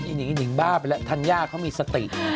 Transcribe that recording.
เป็นอิ่นหยิงบ้าไปแล้วทันยากมีสติ